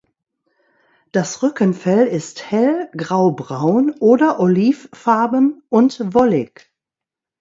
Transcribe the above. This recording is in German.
Das Rückenfell ist hell graubraun oder olivfarben und wollig.